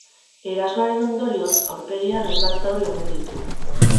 Erasoaren ondorioz, aurpegian hainbat zauri omen ditu.